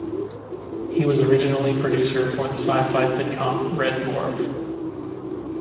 He was originally producer for the sci-fi sitcom "Red Dwarf".